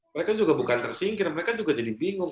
mereka juga bukan tersingkir mereka juga jadi bingung